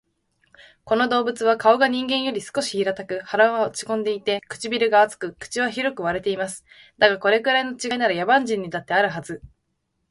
この動物は顔が人間より少し平たく、鼻は落ち込んでいて、唇が厚く、口は広く割れています。だが、これくらいの違いなら、野蛮人にだってあるはず